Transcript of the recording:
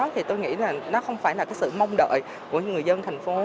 thì tôi nghĩ là nó không phải là cái sự mong đợi của người dân thành phố